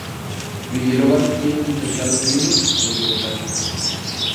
Bjelovar tiene un templado clima continental.